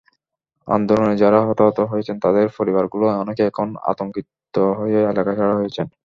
আন্দোলনে যাঁরা হতাহত হয়েছেন, তাঁদের পরিবারগুলোর অনেকেই এখন আতঙ্কতাড়িত হয়ে এলাকাছাড়া হয়েছেন।